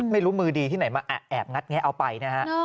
ไม่รู้มือดีที่ไหนมาแอบงัดแงะเอาไปนะฮะ